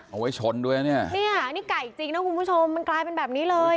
เอาไว้ชนด้วยนะเนี่ยนี่ไก่จริงนะคุณผู้ชมมันกลายเป็นแบบนี้เลย